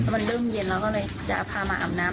มันเริ่มเย็นแล้วจะพาอยู่อาบน้ำ